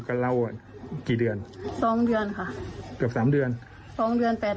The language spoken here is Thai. ก็เล่าอ่ะกี่เดือนสองเดือนค่ะเกือบสามเดือนสองเดือนแปด